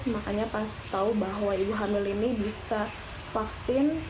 makanya pas tahu bahwa ibu hamil ini bisa vaksin